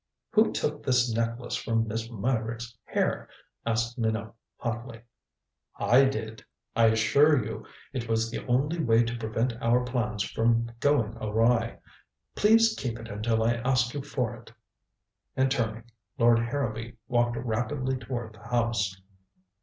"Who took this necklace from Miss Meyrick's hair?" asked Minot hotly. "I did. I assure you it was the only way to prevent our plans from going awry. Please keep it until I ask you for it." And turning, Lord Harrowby walked rapidly toward the house.